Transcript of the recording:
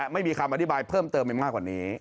ไม่มีคำอธิบายเพิ่มเติมไปมากกว่านี้